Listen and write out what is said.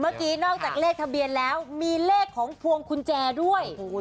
เมื่อกี้นอกจากเลขทะเบียนแล้วมีเลขของพวงกุญแจด้วย